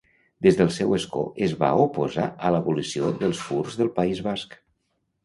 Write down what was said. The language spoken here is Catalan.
Des del seu escó es va oposar a l'abolició dels Furs del País Basc.